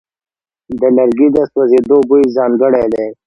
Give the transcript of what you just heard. د لرګي د سوځېدو بوی ځانګړی دی.